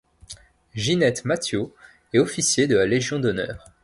Ginette Mathiot est officier de la Légion d'honneur.